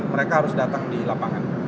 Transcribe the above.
dan mereka harus datang di lapangan